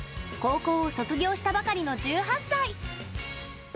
高校を卒業したばかりの１８歳。